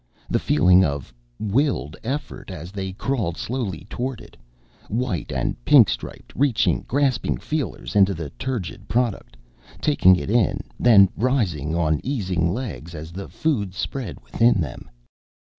The feeling of willed effort as they crawled slowly toward it, white and pink striped, reaching grasping feelers into the turgid product, taking it in, then rising on easing legs as the food spread within them.